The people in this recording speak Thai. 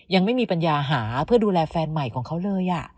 ยังไม่มีปัญญาหาเพื่อดูแลแฟนใหม่ของเขาเลย